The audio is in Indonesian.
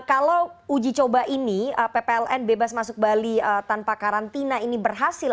kalau uji coba ini ppln bebas masuk bali tanpa karantina ini berhasil